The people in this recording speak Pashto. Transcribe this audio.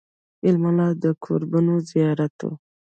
مېلمانۀ د کوربنو زيات وو ـ